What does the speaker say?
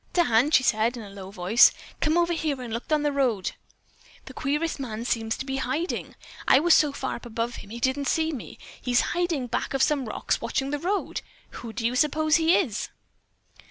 "Dan," she said in a low voice, "Come on over here and look down at the road. The queerest man seems to be hiding. I was so far up above him, he didn't see me. He's hiding back of some rocks watching the road. Who do you suppose he is?"